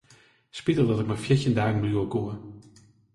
Spitich dat ik mar fjirtjin dagen bliuwe koe.